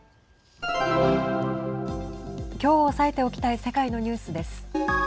きょう押さえておきたい世界のニュースです。